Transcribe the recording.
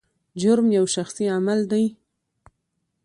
جرم یو شخصي عمل دی.